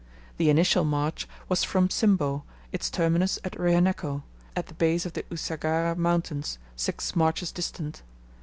The initial march was from Simbo, its terminus at Rehenneko, at the base of the Usagara mountains, six marches distant.